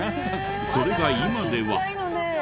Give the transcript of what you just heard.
それが今では。